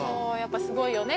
すごいよね